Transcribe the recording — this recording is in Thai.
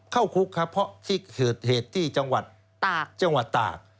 เข้าคุกครับเพราะที่เกิดเหตุที่จังหวัดตากจังหวัดตาก